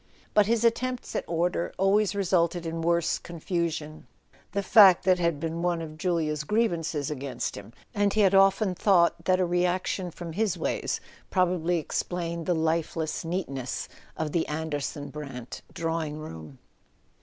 But his attempts at order always resulted in worse confusion; the fact had been one of Julia's grievances against him, and he had often thought that a reaction from his ways probably explained the lifeless neatness of the Anderson Brant drawing room.